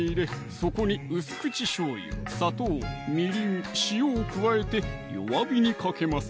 そこに薄口しょうゆ・砂糖・みりん・塩を加えて弱火にかけます